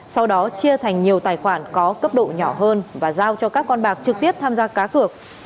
sau đó chia thành nhiều tài khoản có cấp độ nhỏ hơn và giao cho các con bạc trực tiếp tham gia cá cược